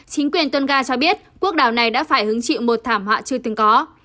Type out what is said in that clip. chính quyền tunga cho biết quốc đảo này đã phải hứng chịu một thảm họa chưa từng có